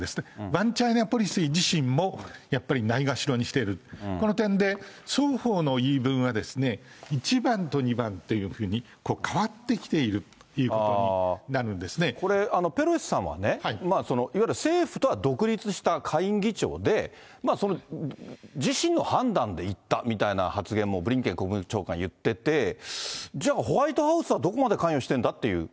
ワンチャイナポリシー自身も、やっぱりないがしろにしている、この点で、双方の言い分は、１番と２番っていうふうに変わってきているということになるんでこれ、ペロシさんは、いわゆる政府とは独立した下院議長で、自身の判断で行ったみたいな発言も、ブリンケン国務長官は言ってて、じゃあ、ホワイトハウスはどこまで関与してんだっていう。